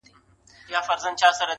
زه مي ژاړمه د تېر ژوندون کلونه،